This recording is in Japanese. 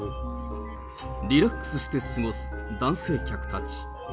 リラックスして過ごす男性客たち。